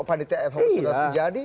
panitia n satu ratus satu sudah terjadi